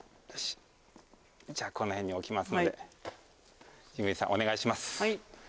じゃあこの辺に置きますので神宮寺さんお願いします。